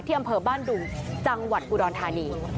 อำเภอบ้านดุงจังหวัดอุดรธานี